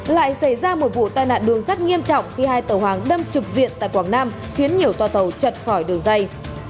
lại xảy ra một vụ tai nạn đường sắt nghiêm trọng khi hai tàu hàng đâm trực diện tại quảng nam khiến nhiều tòa tàu chật khỏi đường dây